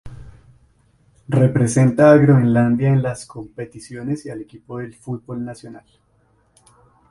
Representa a Groenlandia en las competiciones y al equipo del fútbol nacional.